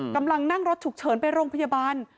กำลังนั่งรถฉุกเฉินไปโรงพยาบาล